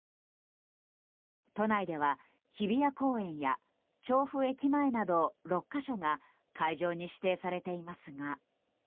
都内では、日比谷公園や調布駅前など６か所が会場に指定されていますが。